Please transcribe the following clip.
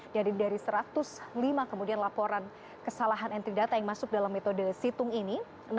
jadi dari satu ratus lima kemudian laporan kesalahan entry data yang masuk dalam metode situng ini